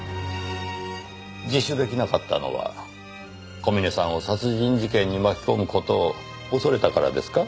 自首出来なかったのは小峰さんを殺人事件に巻き込む事を恐れたからですか？